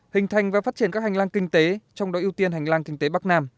hình thành và phát triển các hành lang kinh tế trong đó ưu tiên hành lang kinh tế bắc nam